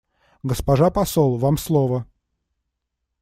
Госпожа посол, вам слово.